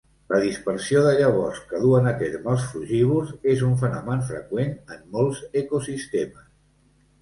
La dispersió de llavors que duen a terme els frugívors és un fenomen freqüent en molts ecosistemes.